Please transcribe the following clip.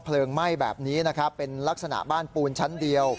เพลิงไหม้แบบนี้เป็นลักษณะบ้านปูนชั้นเดียว